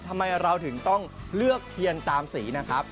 ทำไมเราถึงต้องเลือกเทียนตามสีนะครับ